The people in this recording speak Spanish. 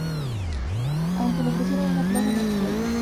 Aunque le ofrecieron una plaza en la escuela St.